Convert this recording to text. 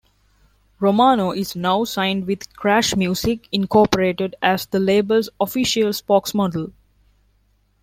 Romano is now signed with Crash Music, Incorporated as the label's official spokesmodel.